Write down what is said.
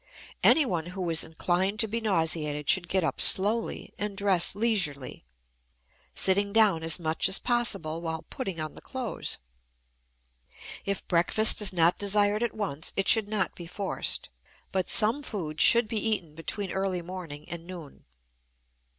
Anyone who is inclined to be nauseated should get up slowly and dress leisurely, sitting down as much as possible while putting on the clothes. If breakfast is not desired at once, it should not be forced, but some food should be eaten between early morning and noon.